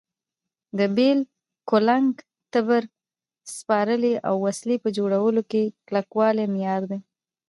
د بېل، کولنګ، تبر، سپارې او وسلې په جوړولو کې کلکوالی معیار دی.